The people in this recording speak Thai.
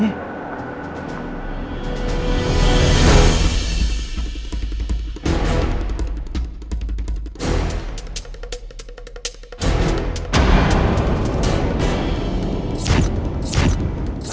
อาคุณเกบรษ